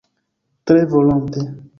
Tre volonte.